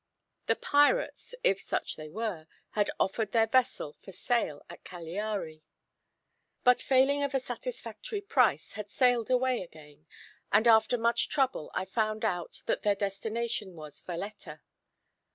The pirates, if such they were, had offered their vessel for sale at Cagliari; but, failing of a satisfactory price had sailed away again, and after much trouble I found out that their destination was Valetta.